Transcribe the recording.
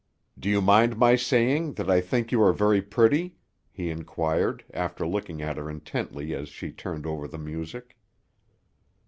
"Do you mind my saying that I think you are very pretty?" he inquired, after looking at her intently as she turned over the music.